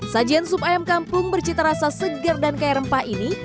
sajian sup ayam kampung bercita rasa segar dan kaya rempah ini